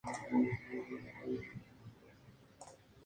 Sus abuelos paternos fueron Stefano Visconti y su esposa Valentina Doria.